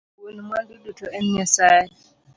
Wuon mwandu duto en nyasaye